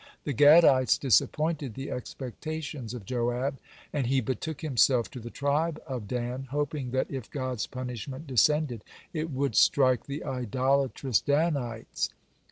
The Gadites disappointed the expectations of Joab, and he betook himself to the tribe of Dan, hoping that if God's punishment descended, it would strike the idolatrous Danites.